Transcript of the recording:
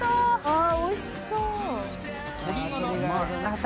あっおいしそう。